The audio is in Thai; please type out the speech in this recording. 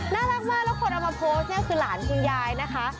น่ารักมากแล้วคนเอามาโพสต์เนี่ยคือหลานคุณยายนะคะ